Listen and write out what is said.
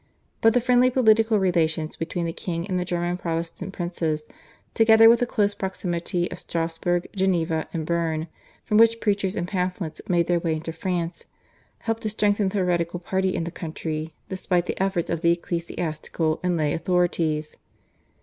but the friendly political relations between the king and the German Protestant princes, together with the close proximity of Strassburg, Geneva, and Berne, from which preachers and pamphlets made their way into France, helped to strengthen the heretical party in the country despite the efforts of the ecclesiastical and lay authorities.